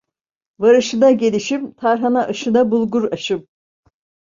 Varışına gelişim, tarhana aşına bulgur aşım.